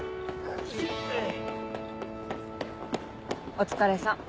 お疲れさん